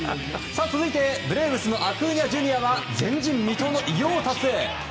ブレーブスのアクーニャＪｒ．は前人未到の偉業を達成。